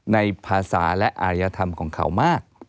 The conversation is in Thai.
ในภาษาและอารยธรรมของเขามาก